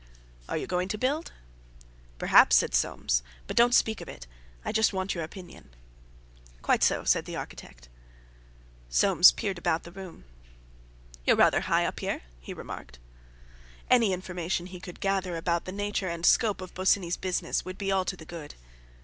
"Are you going to build?" "Perhaps," said Soames; "but don't speak of it. I just want your opinion." "Quite so," said the architect. Soames peered about the room. "You're rather high up here," he remarked. Any information he could gather about the nature and scope of Bosinney's business would be all to the good.